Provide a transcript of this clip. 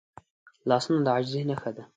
لاسونه د عاجزۍ نښه ده